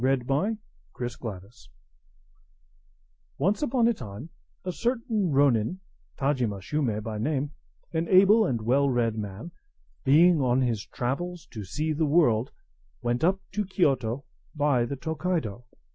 TAJIMA, By Miss Mitford Once upon a time, a certain ronin, Tajima Shume by name, an able and well read man, being on his travels to see the world, went up to Kiyoto by the Tokaido.